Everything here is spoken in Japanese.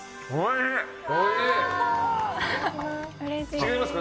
違いますか？